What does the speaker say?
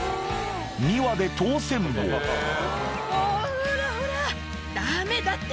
２羽で通せん坊ほらほらダメだって！